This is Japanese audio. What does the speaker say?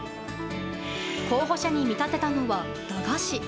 候補者に見立てたのは駄菓子。